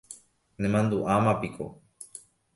Nemandu'ámapiko